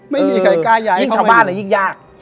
ไม่มีใครกล้ายาย